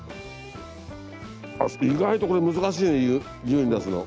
あっ意外とこれ難しいねＵに出すの。